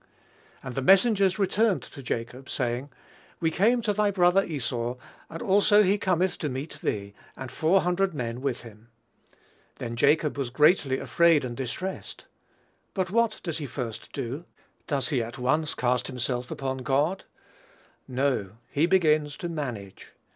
"And the messengers returned to Jacob, saying, We came to thy brother Esau, and also he cometh to meet thee, and four hundred men with him. Then Jacob was greatly afraid and distressed." But what does he first do? Does he at once cast himself upon God? No; he begins to manage.